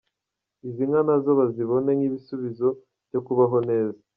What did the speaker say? Izi nka nazo bazibone nk’ibisubizo byo kubaho neza.